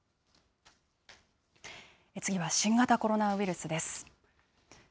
次は新型コロナウイルスです。